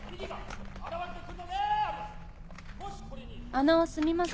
あのすみません。